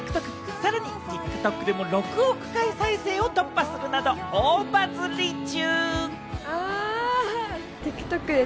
さらにＴｉｋＴｏｋでも６億回再生を突破するなど大バズり中！